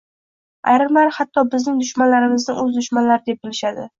Ayrimlari hatto bizning dushmanlarimizni o‘z dushmanlari deb bilishadi